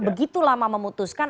karena mereka sudah memutuskan